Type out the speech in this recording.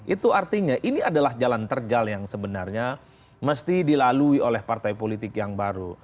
itu artinya ini adalah jalan terjal yang sebenarnya mesti dilalui oleh partai politik yang baru